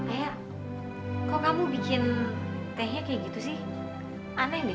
ayah kok kamu bikin tehnya kayak gitu sih aneh deh